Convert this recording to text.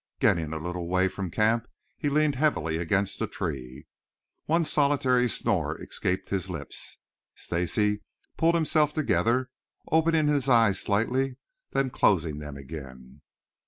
Getting a little way from camp he leaned heavily against a tree. One solitary snore escaped his lips. Stacy pulled himself together, opening his eyes slightly, then closing them again.